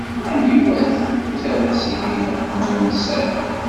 Aniwa-t uterras-ihin axnunsan?